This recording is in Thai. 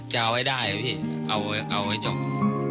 เอาไว้ได้พี่เอาให้จบ